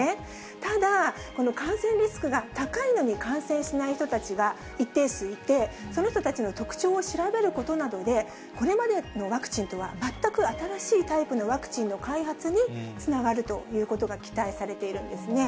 ただ、感染リスクが高いのに、感染しない人たちが一定数いて、その人たちの特徴を調べることなどで、これまでのワクチンとは全く新しいタイプのワクチンの開発につながるということが期待されているんですね。